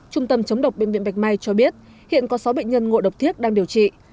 trung tâm chống độc bệnh viện bạch mai cho biết hiện có sáu bệnh nhân ngộ độc thiết đang điều trị